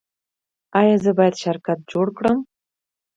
ایا زه باید شرکت جوړ کړم؟